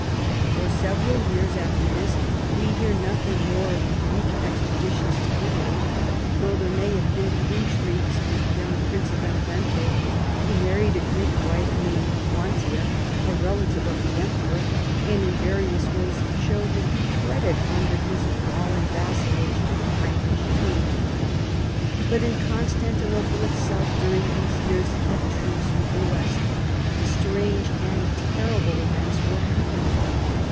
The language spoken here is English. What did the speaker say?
For several years after this we hear nothing more of Greek expeditions to Italy, though there may have been intrigues with the young Prince of Benevento, who married a Greek wife named Wantia, a relative RELATIONS WITH THE EAST. 233 of the Emperor, and in various ways showed that he fretted under his gallin<^ vassalage to the Frankish king. But in Constantinople itself during these years of truce with the "West, strange and terrible events were happening.